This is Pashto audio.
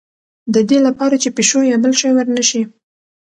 د دې لپاره چې پیشو یا بل شی ور نه شي.